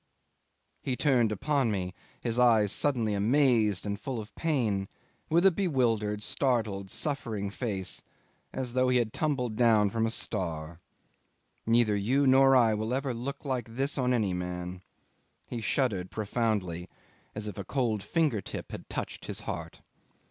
'He turned upon me, his eyes suddenly amazed and full of pain, with a bewildered, startled, suffering face, as though he had tumbled down from a star. Neither you nor I will ever look like this on any man. He shuddered profoundly, as if a cold finger tip had touched his heart.